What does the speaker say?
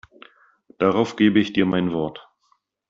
Darauf gebe ich dir mein Wort.